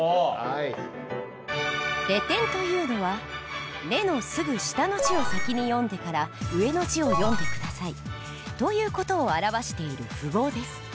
「レ点」というのは「『レ』のすぐ下の字を先に読んでから上の字を読んで下さい」という事を表している符号です。